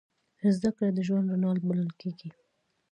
زدهکړه د ژوند رڼا بلل کېږي.